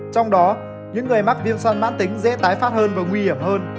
trong đó những người mắc viêm son mãn tính dễ tái phát hơn và nguy hiểm hơn